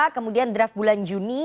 kemudian draft bulan juni